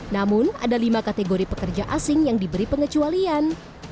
namun ada lima kategori pekerja asing yang diberi pengecualian